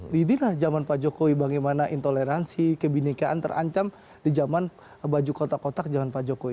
inilah zaman pak jokowi bagaimana intoleransi kebinekaan terancam di zaman baju kotak kotak zaman pak jokowi